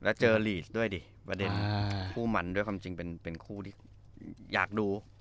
แล้วเจอลีสด้วยดิประเด็นคู่มันด้วยความจริงเป็นคู่ที่อยากดู